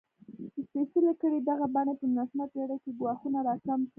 د سپېڅلې کړۍ دغې بڼې په نولسمه پېړۍ کې ګواښونه راکم کړل.